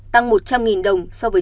tăng một trăm linh đồng so với